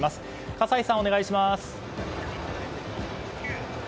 葛西さん、お願いします。